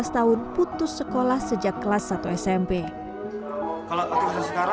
tahun putus sekolah sejak kelas satu smp kalau sekarang ya di masjid masjid soalnya bisa kalau